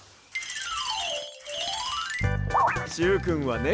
しゅうくんはね